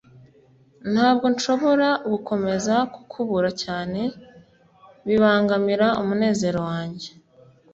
ntabwo nshobora gukomeza kukubura cyane bibangamira umunezero wanjye.